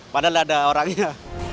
padahal ada orangnya